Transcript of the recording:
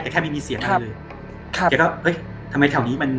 แต่แค่ไม่มีเสียงอะไรเลยค่ะแกก็เอ้ยทำไมแถวนี้มัน